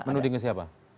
menuding ke siapa